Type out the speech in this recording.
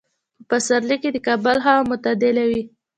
په پسرلي کې د کابل هوا معتدله وي.